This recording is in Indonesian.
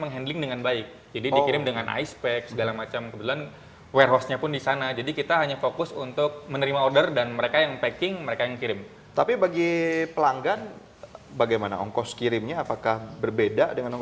kenapa dipaksa atau memang keterpaksaan